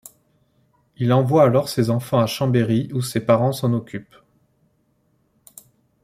Il envoie alors ses enfants à Chambéry où ses parents s’en occupent.